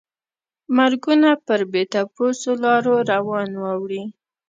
مرګونه پر بې تپوسو لارو روان واوړي.